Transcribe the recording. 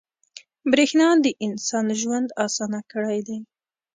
• برېښنا د انسان ژوند اسانه کړی دی.